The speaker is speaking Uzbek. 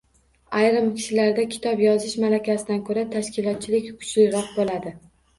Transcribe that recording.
Ayrim kishilarda kitob yozish malakasidan ko‘ra tashkilotchilik kuchliroq bo‘ladi.